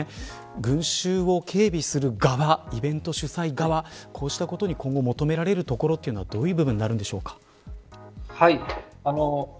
群衆を警備する側イベント主催側こういったところで求められるのはどういうとこなんでしょうか。